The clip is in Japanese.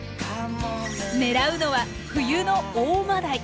狙うのは冬の大マダイ。